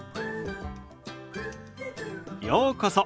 ようこそ。